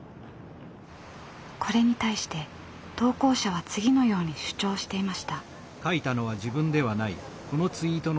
これに対して投稿者は次のように主張していました。